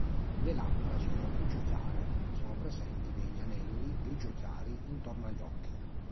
Le labbra sono grigio chiare, Sono presenti degli anelli grigio chiari intorno agli occhi.